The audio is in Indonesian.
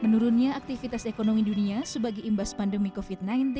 menurunnya aktivitas ekonomi dunia sebagai imbas pandemi covid sembilan belas